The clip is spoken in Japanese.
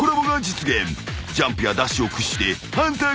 ［ジャンプやダッシュを駆使して］